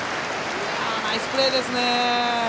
ナイスプレーですね。